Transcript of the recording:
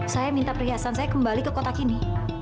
saya minta perhiasan saya kembali ke kotak ini